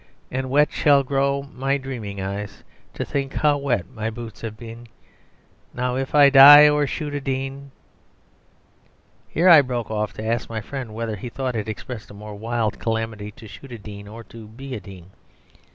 And wet shall grow my dreaming eyes, To think how wet my boots have been Now if I die or shoot a Dean " Here I broke off to ask my friend whether he thought it expressed a more wild calamity to shoot a Dean or to be a Dean.